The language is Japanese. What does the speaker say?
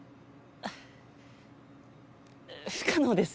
不可能です。